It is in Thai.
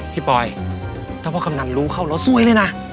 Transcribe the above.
พี่ปลอยถ้าพวกกำหนังรู้เข้าแล้วสวยเลยนะ